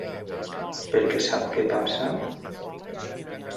Perquè sap què passa?